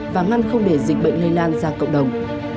và ngăn không để dịch bệnh lây lan ra cộng đồng